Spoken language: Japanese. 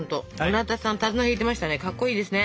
村田さん手綱引いてましたね。